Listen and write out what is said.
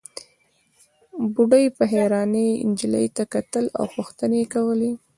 بوډۍ په حيرانۍ نجلۍ ته کتل او پوښتنې يې کولې.